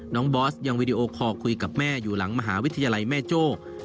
บอสยังวีดีโอคอลคุยกับแม่อยู่หลังมหาวิทยาลัยแม่โจ้